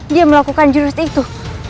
dia melakukan jurus itu